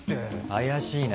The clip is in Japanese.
怪しいな。